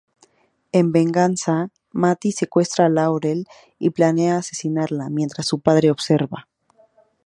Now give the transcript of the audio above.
En venganza, Mathis secuestra a Laurel y planea asesinarla mientras su padre observa.